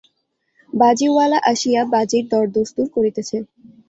বাজিওয়ালা আসিয়া বাজির দরদস্তুর করিতেছে।